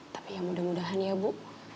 tapi ya mudah mudahan ya bu